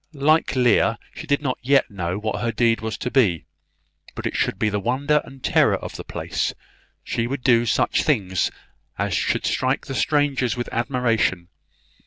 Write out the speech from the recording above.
Like Lear, she did not yet know what her deed was to be; but it should be the wonder and terror of the place: she would do such things as should strike the strangers with admiration.